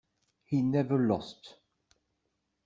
He never lost.